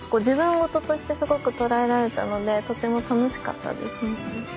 自分事としてすごく捉えられたのでとても楽しかったですね。